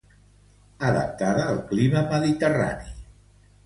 Adaptada al clima mediterrani.